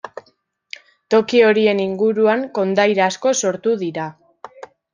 Toki horien inguruan kondaira asko sortu dira.